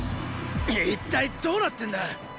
一体どうなってんだ？